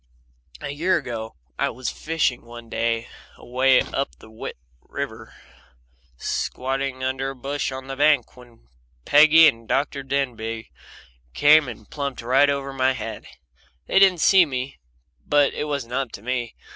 A year ago I was fishing one day away up the river, squatting under a bush on a bank, when Peggy and Dr. Denbigh came and plumped right over my head. They didn't see me but it wasn't up to me.